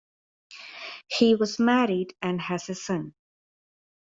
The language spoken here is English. He was married and has a son.